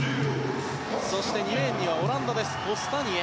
そして２レーンにはオランダですコスタニエ。